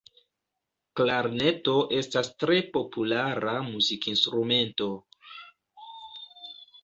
Klarneto estas tre populara muzikinstrumento.